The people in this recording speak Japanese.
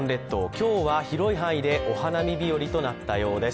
今日は広い範囲でお花見日和となったようです。